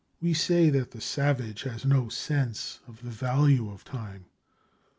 We say that the savage has no sense of the value of time.